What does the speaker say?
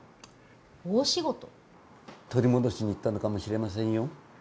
取り戻しに行ったのかもしれませんよ。